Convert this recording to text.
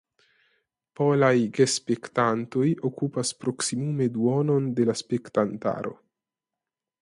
Polaj gespektantoj okupas proksimume duonon de la spektantaro.